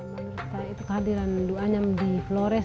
memang itu kehadiran duanya di flores